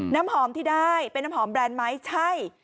น้ำหอมที่ได้เป็นน้ำหอมแบรนด์ไหมใช่